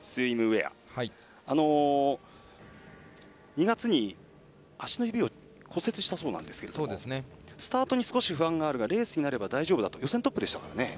２月に足の指を骨折したそうなんですけどスタートに少し不安はあるが大丈夫だと予選トップでしたから。